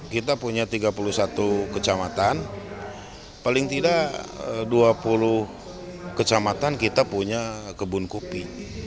kita punya tiga puluh satu kecamatan paling tidak dua puluh kecamatan kita punya kebun kopi